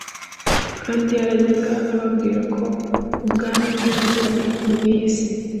kandi yarajyaga ababwira ko ubwami bwe butari ubw'iyi si.